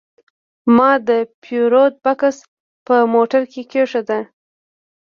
ما د پیرود بکس په موټر کې کېښود.